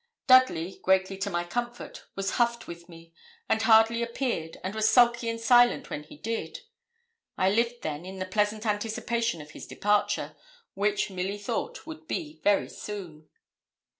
Dudley, greatly to my comfort, was huffed with me, and hardly appeared, and was sulky and silent when he did. I lived then in the pleasant anticipation of his departure, which, Milly thought, would be very soon.